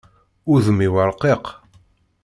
Udem-iw ṛqiq.